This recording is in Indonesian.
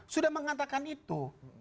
sudah mengatakan itu